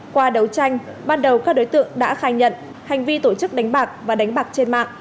qua đấu tranh ban đầu các đối tượng đã khai nhận hành vi tổ chức đánh bạc và đánh bạc trên mạng